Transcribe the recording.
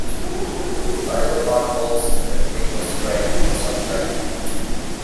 The idler arm bolts to the vehicle's frame or subframe.